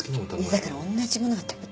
だからおんなじものが食べ。